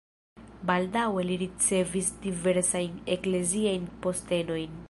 Baldaŭe li ricevis diversajn ekleziajn postenojn.